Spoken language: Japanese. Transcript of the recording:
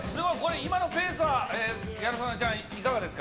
今のペースは、ギャル曽根ちゃん、いかがですか。